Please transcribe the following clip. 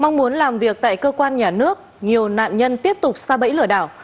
mong muốn làm việc tại cơ quan nhà nước nhiều nạn nhân tiếp tục xa bẫy lừa đảo